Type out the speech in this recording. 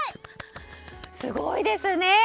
すごいですね。